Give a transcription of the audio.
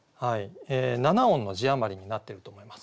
７音の字余りになってると思います。